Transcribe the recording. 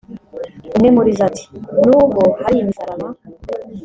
umwe muri zo ati “Nubwo hari imisaraba